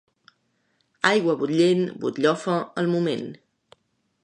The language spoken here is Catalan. Aigua bullent, butllofa al moment.